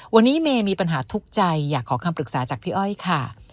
วันนี้เมย์มีปัญหาทุกข์ใจอยากขอคำปรึกษาจากพี่อ้อยค่ะ